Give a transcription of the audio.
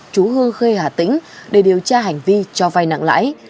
chú hương khê hà tĩnh để điều tra hành vi cho vay nặng lãi